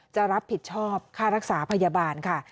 จะรับผิดชอบค่ารักษาพยาบาลค่ะ